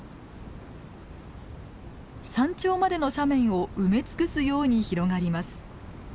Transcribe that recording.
山頂までの斜面を埋め尽くすように広がります。